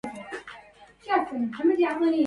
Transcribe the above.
أصبح هذا الجحر قد وافقت